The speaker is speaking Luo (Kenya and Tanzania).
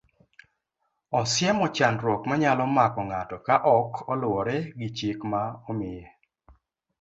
Osiemo chandruok manyalo mako ng'ato ka ok oluwore gi chik ma omiye.